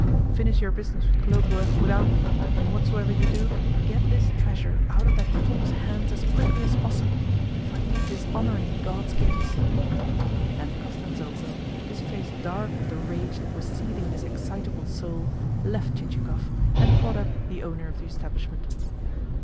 Finish your business with Khlobuev without me, and whatsoever you do, get this treasure out of that fool's hands as quickly as possible, for he is dishonouring God's gifts." And Kostanzhoglo, his face dark with the rage that was seething in his excitable soul, left Chichikov, and caught up the owner of the establishment.